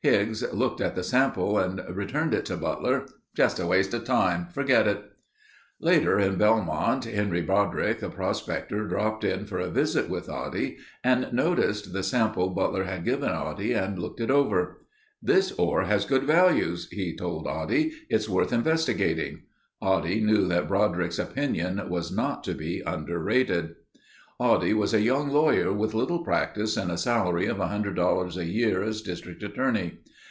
Higgs looked at the sample and returned it to Butler: "Just a waste of time. Forget it." Later in Belmont Henry Broderick, a prospector dropped in for a visit with Oddie and noticed the sample Butler had given Oddie and looked it over. "This ore has good values," he told Oddie. "It's worth investigating." Oddie knew that Broderick's opinion was not to be underrated. Oddie was a young lawyer with little practice and a salary of $100 a year as District Attorney.